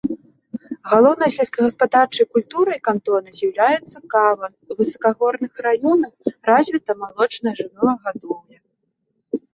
Галоўнай сельскагаспадарчай культурай кантона з'яўляецца кава, у высакагорных раёнах развіта малочная жывёлагадоўля.